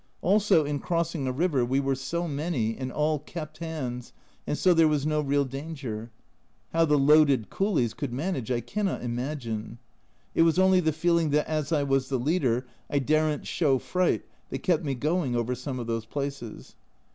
Also in crossing a river we were so many and all kept hands, and so there was no real danger. How the loaded coolies could manage I cannot imagine. It was only the feeling that as I was the leader I daren't show fright, that kept me going over some of those places.